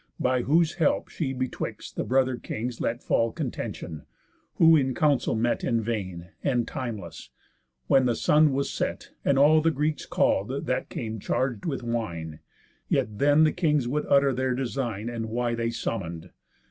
By whose help she betwixt the brother kings Let fall contention; who in council met In vain, and timeless, when the sun was set, And all the Greeks call'd, that came charg'd with wine. Yet then the kings would utter their design, And why they summon'd.